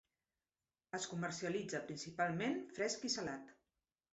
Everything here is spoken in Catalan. Es comercialitza principalment fresc i salat.